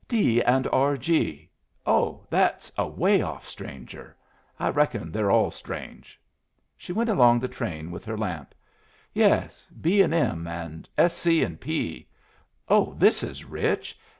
"'D. and R. G.' Oh, that's a way off stranger! I reckon they're all strange." She went along the train with her lamp. "Yes, 'B. and M.' and 'S. C. and P.' Oh, this is rich!